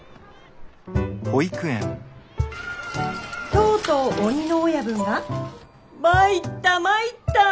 「とうとう鬼の親分が『まいったぁまいったぁ。